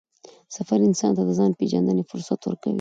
سفر انسان ته د ځان پېژندنې فرصت ورکوي